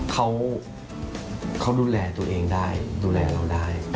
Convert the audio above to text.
เขาดูแลตัวเองได้ดูแลเราได้